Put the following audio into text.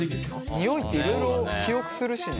匂いっていろいろ記憶するしね。